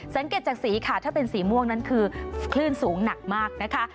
สังเกตจากสีค่ะถ้าเป็นสีม่วงนั้นคือคลื่นสูงหนักมากนะคะ